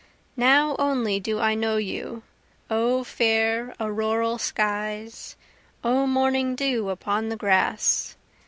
Now only do I know you, O fair auroral skies O morning dew upon the grass!